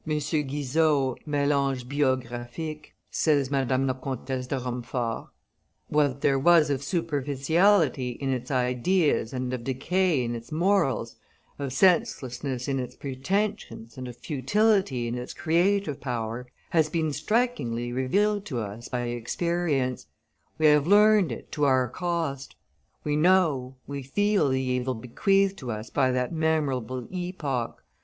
Guizot, Melanges biographiques (Madame la Comtesse de Rumford)], "what there was of superficiality in its ideas and of decay in its morals, of senselessness in its pretensions and of futility in its creative power, has been strikingly revealed to us by experience; we have learned it to our cost. We know, we feel the evil bequeathed to us by that memorable epoch.